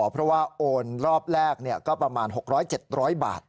เพราะว่าโอนรอบแรกก็ประมาณ๖๐๐๗๐๐บาท